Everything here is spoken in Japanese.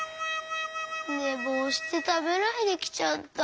ねぼうしてたべないできちゃった。